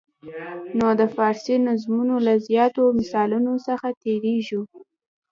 نو د فارسي نظمونو له زیاتو مثالونو څخه تېریږو.